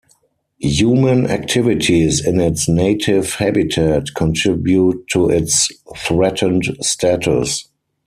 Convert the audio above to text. Human activities in its native habitat contribute to its threatened status.